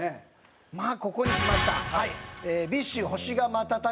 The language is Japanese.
まあここにしました。